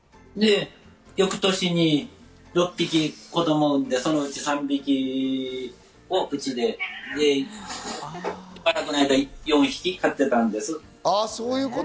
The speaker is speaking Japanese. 翌年、６匹子供を産んで、そのうち３匹をうちでしばらく４匹飼っていたんです。